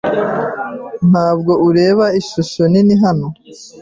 Ntabwo ureba ishusho nini hano.